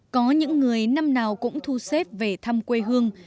có những người năm nào cũng thu xếp về thăm quê hương